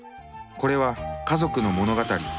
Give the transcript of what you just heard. これは家族の物語。